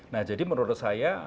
nah jadi menurut saya